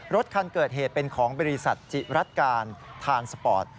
รถคันเกิดเหตุเป็นของบริษัทจิรัตการทานสปอร์ต